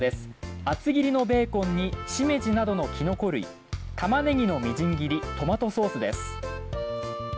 厚切りのベーコンにシメジなどのキノコ類タマネギのみじん切りトマトソースです